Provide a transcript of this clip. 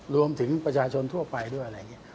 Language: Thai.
รวมถึงประชาชนทั่วไปด้วยอะไรอย่างนี้